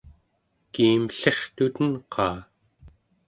kiimellirtuten-qaa?